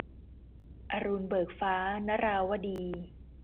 อรุณเบิกฟ้า - นราวดี